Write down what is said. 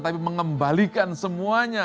tapi mengembalikan semuanya